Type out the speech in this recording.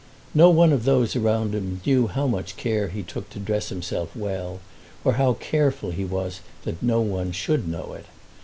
No one of those around him knew how much care he took to dress himself well, or how careful he was that no one should know it.